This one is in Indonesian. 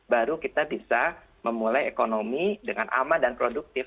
baru kita bisa memulai ekonomi dengan aman dan produktif